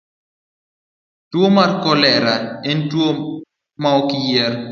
Tuwo mar kolera en tuwo maok yier.